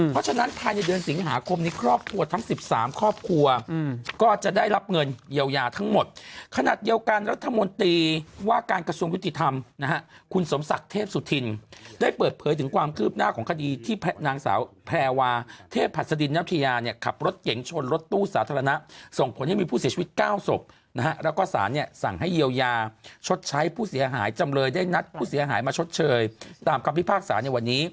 เกี่ยวกันรัฐมนตรีว่าการกระทรวงยุติธรรมคุณสมศักดิ์เทพสุธินได้เปิดเผยถึงความคืบหน้าของคดีที่แม่แพรวาเทพภัศดินนัพยาขับรถเย็งชนรถตู้สาธารณะส่งผลให้มีผู้เสียชีวิตเก้าศพแล้วก็สารสั่งให้เยียวยาชดใช้ผู้เสียหายจำเลยได้นัดผู้เสียหายมาชดเชยตามความพิพากษาในวันน